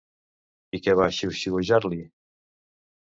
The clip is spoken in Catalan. I què va xiuxiuejar-li?